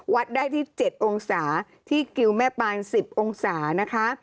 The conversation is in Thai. วัดได้ที่๗องศาที่กิวแม่ปาน๑๐องศานะคะ